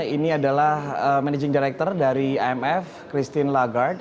ini adalah managing director dari imf christine lagarde